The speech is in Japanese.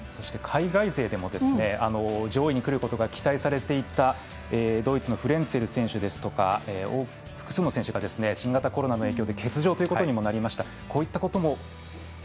海外勢でも上位にくることが期待されていたドイツのフレンツェル選手ですとか複数の選手が新型コロナの影響で欠場ということになりました。